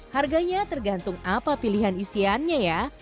harganya tergantung apa pilihan isiannya ya